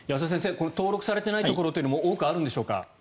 この登録されていないところも多くあるんでしょうか？